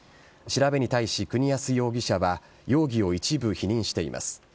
調べに対し国安容疑者は容疑を一部否認しています。